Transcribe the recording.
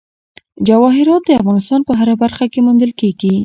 جواهرات د افغانستان په هره برخه کې موندل کېږي.